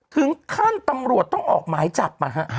ถึงขั้นตำรวจต้องออกหมายจับนะฮะ